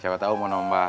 siapa tau mau nomba